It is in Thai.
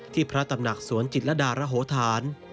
พระตำหนักสวนจิตรดารโหธาน